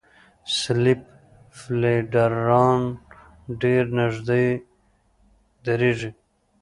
سلیپ فېلډران ډېر نږدې درېږي.